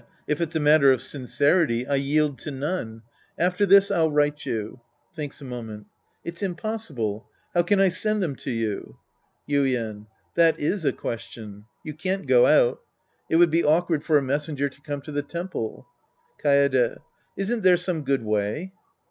If it's a matter of sincerity, I yield to none. After this I'll write you. {TJiinks a moment^ It's impossible. How can I send them to you. Yuien. That is a question. You can't go out. It would be awkward for a messenger to come to the tem.ple. Kaede. Isn't there some good way